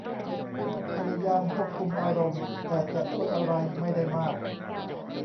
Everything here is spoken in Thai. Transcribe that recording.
พยายามควบคุมอารมณ์แต่จะช่วยอะไรไม่ได้มาก